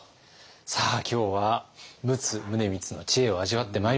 さあ今日は陸奥宗光の知恵を味わってまいりました。